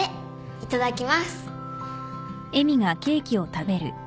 いただきます